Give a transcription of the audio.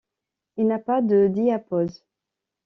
Il n'a pas de diapause.